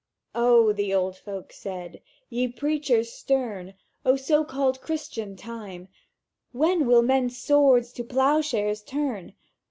"'O,' the old folks said, 'ye Preachers stern! O so called Christian time! When will men's swords to ploughshares turn?